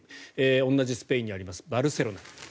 同じスペインにありますバルセロナ。